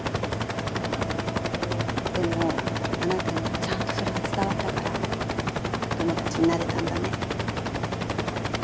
でもあなたにはちゃんとそれが伝わったから友達になれたんだね。